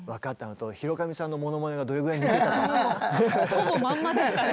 ほぼまんまでしたね。